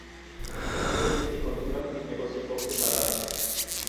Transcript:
Posteriormente continuaron sus negocios por separado.